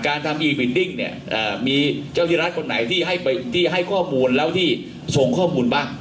การทำเนี่ยเอ่อมีเจ้าที่รัฐคนไหนที่ให้ไปที่ให้ข้อมูลแล้วที่ส่งข้อมูลบ้าง